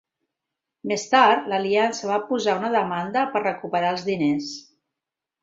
Més tard, l'Aliança va posar una demanda per recuperar els diners.